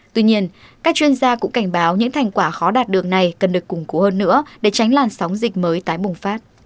tuy nhiên các chuyên gia cũng cảnh báo những thành quả khó đạt được này cần được củng cố hơn nữa để tránh làn sóng dịch mới tái bùng phát